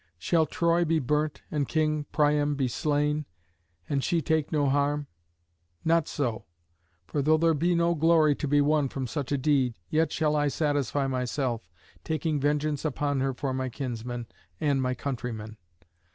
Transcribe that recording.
Shall Troy be burnt and King Priam be slain, and she take no harm? Not so; for though there be no glory to be won from such a deed, yet shall I satisfy myself, taking vengeance upon her for my kinsmen and my countrymen."